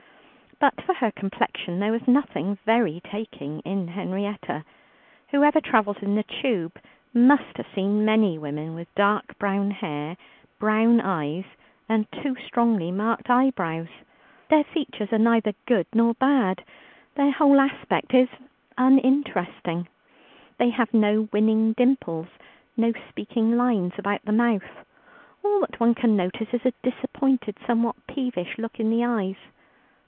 But for her complexion there was nothing very taking in Henrietta. Whoever travels in the Tube must have seen many women with dark brown hair, brown eyes, and too strongly marked eyebrows; their features are neither good nor bad; their whole aspect is uninteresting. They have no winning dimples, no speaking lines about the mouth. All that one can notice is a disappointed, somewhat peevish look in the eyes.